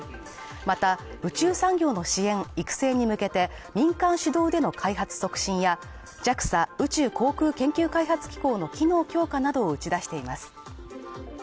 また、宇宙産業の支援・育成に向けて民間主導での開発促進や、ＪＡＸＡ＝宇宙航空研究開発機構の機能強化などを打ち出しています。